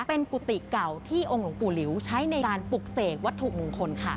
เป็นกุฏิเก่าที่องค์หลวงปู่หลิวใช้ในการปลุกเสกวัตถุมงคลค่ะ